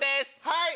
はい！